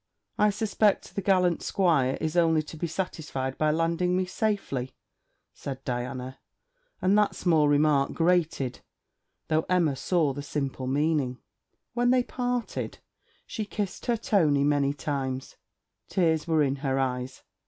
'I suspect the gallant squire is only to be satisfied by landing me safely,' said Diana, and that small remark grated, though Emma saw the simple meaning. When they parted, she kissed her Tony many times. Tears were in her eyes.